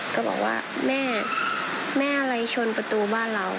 ก็บอกว่าแม่แม่อะไรชนประตูบ้านเรา